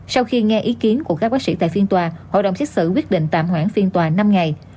sau khi nghe ý kiến của các bác sĩ tại phiên tòa hội đồng xét xử quyết định tạm hoãn phiên tòa năm ngày